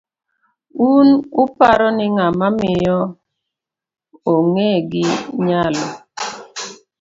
Un uparo ni ng'ama miyo ong 'e gi nyalo?